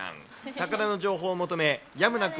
宝の情報を求め、やむなく